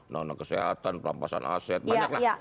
nono kesehatan perlampasan aset banyak lah